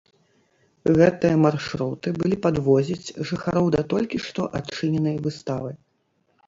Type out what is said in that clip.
Гэтыя маршруты былі падвозіць жыхароў да толькі што адчыненай выставы.